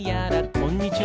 こんにちは！